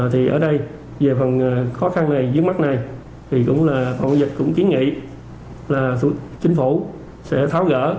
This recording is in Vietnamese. thì ở đây về phần khó khăn này diễn mắt này thì cũng là phòng chống dịch cũng kiến nghị là chính phủ sẽ tháo gỡ